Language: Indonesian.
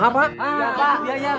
ya pak biaya itu gimana